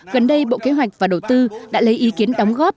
gần đây bộ kế hoạch và đầu tư đã lấy ý kiến đóng góp